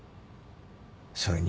それに。